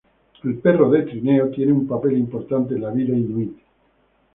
El perro de trineo tiene un papel importante en la vida inuit.